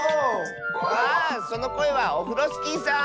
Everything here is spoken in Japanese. あそのこえはオフロスキーさん。